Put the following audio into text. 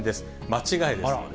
間違いです。